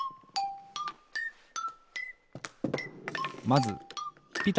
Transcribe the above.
まず「ピ」「タ」